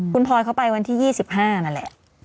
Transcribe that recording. คุณพลอยเขาไปวันที่๒๕นั่นแหละ